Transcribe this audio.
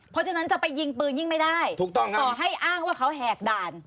เพราะฉะนั้นจะไปยิงปืนยิ่งไม่ได้ถูกต้องต่อให้อ้างว่าเขาแหกด่าน